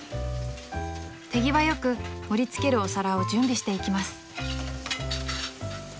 ［手際よく盛り付けるお皿を準備していきます］